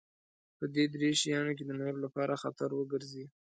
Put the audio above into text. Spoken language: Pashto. په دې درې شيانو کې د نورو لپاره خطر وګرځي.